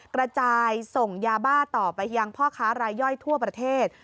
กระจายส่งยาบ้าต่อไปยังพ่อค้ารายย่อยทั่วประเทศ